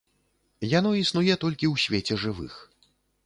Яно існуе толькі ў свеце жывых.